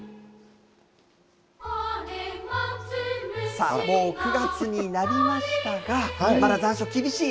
さあ、もう９月になりましたが、まだ残暑厳しい。